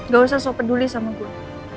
gak usah sope peduli sama gue